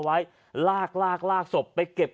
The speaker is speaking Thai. ชาวบ้านญาติโปรดแค้นไปดูภาพบรรยากาศขณะ